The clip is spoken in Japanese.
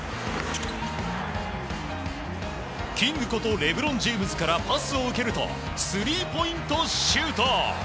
キングことレブロン・ジェームズからパスを受けるとスリーポイントシュート！